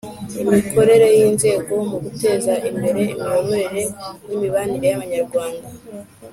Imikorere y inzego mu guteza imbere imiyoborere n imibanire y abanyarwanda